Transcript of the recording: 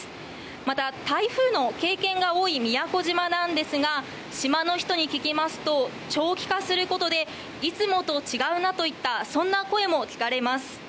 また、台風の経験が多い宮古島なんですが島の人に聞きますと長期化することでいつもと違うなといったそんな声も聞かれます。